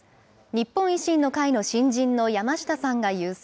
日本維新の会の新人の山下さんが優勢。